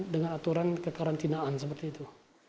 dengan aturan kekarantinaan seperti itu